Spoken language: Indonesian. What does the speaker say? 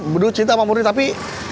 murni cinta sama murni tapi